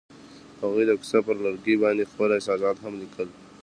هغوی د کوڅه پر لرګي باندې خپل احساسات هم لیکل.